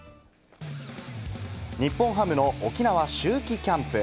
日本ハムの沖縄秋季キャンプ。